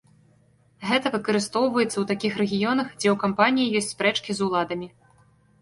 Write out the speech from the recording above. Гэта выкарыстоўваецца ў такіх рэгіёнах, дзе ў кампаніі ёсць спрэчкі з уладамі.